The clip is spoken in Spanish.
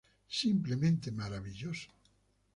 Simplemente maravilloso".